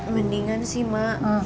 mendingan sih mak